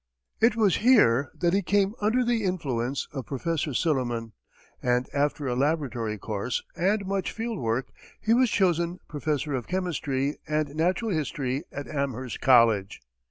It was here that he came under the influence of Prof. Silliman, and after a laboratory course and much field work, he was chosen professor of chemistry and natural history at Amherst College.